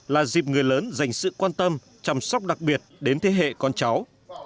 là dịp người lớn dành sự quan tâm chăm sóc đặc biệt đến thế hệ con cháu